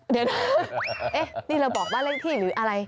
เดี๋ยวนะนี่เราบอกบ้านเลขที่หรืออะไร